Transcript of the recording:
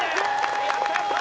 やったやった！